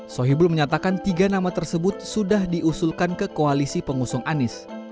sohibul menyatakan tiga nama tersebut sudah diusulkan ke koalisi pengusung anies